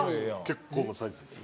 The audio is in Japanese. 結構なサイズです。